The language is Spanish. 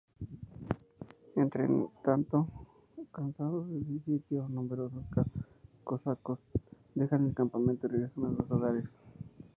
Entretanto, cansados del sitio, numerosos cosacos dejan el campamento y regresan a sus hogares.